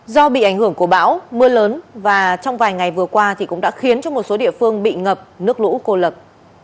do bị ảnh hưởng của bão mưa lớn và trong vài ngày vừa qua cũng đã khiến cho một số địa phương bị ngập nước lũ cô lập